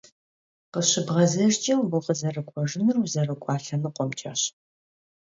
Khışıbğezejjç'e vukhızerık'uejjınur vuzerık'ua lhenıkhuemç'eş.